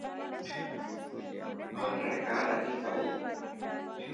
Ondee kaa dakikai.